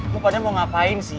lo padahal mau ngapain sih